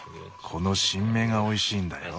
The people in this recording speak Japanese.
この新芽がおいしいんだよ。